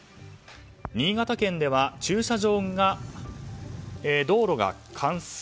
新潟県では駐車場や道路が冠水。